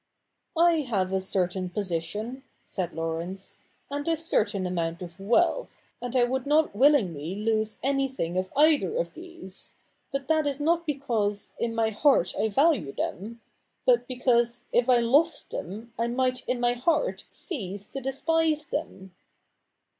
'I have a certain position.' said Laurence, 'and a certain amount of wealth, and I would not willingly lose anything of either of these ; but that is not because, in my heart, I value them : but because, if I lost them, I might in my heart cease to despise them.'